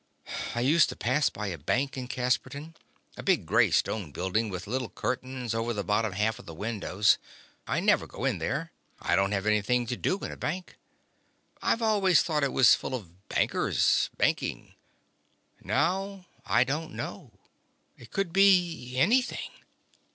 I used to pass by a bank in Casperton: a big grey stone building with little curtains over the bottom half of the windows. I never go in there. I don't have anything to do in a bank. I've always thought it was full of bankers, banking ... Now I don't know. It could be anything